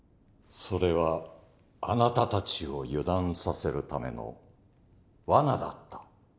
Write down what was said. それはあなたたちを油断させるためのワナだった？